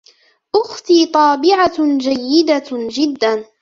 أُختي طابِعة جيدة جداً.